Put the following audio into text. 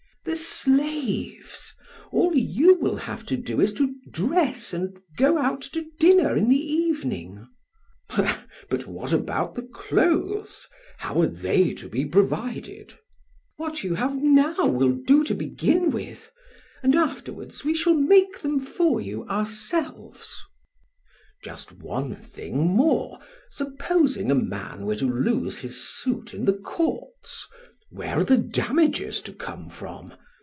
PRAX. The slaves; all you will have to do is to dress and go out to dinner in the evening. BLEPS. But what about the clothes? How are they to be provided? PRAX. What you have now will do to begin with, and afterwards we shall make them for you ourselves. BLEPS. Just one thing more! Supposing a man were to lose his suit in the courts, where are the damages to come from?